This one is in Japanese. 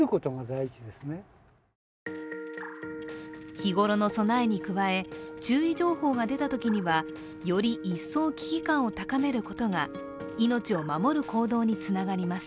日頃の備えに加え注意情報が出たときにはより一層危機感を高めることが命を守る行動につながります。